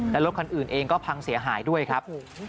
และรถคันอื่นเองก็พังเสียหายด้วยครับ